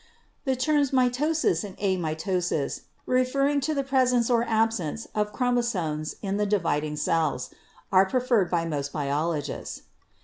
The terms mitosis and amitosis (referring to the presence or absence of chromosomes in the dividing cells) are pre ferred by most biologists.